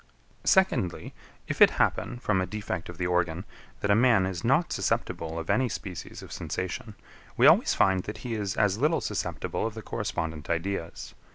15. Secondly. If it happen, from a defect of the organ, that a man is not susceptible of any species of sensation, we always find that he is as little susceptible of the correspondent ideas.